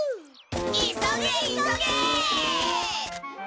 急げ急げ！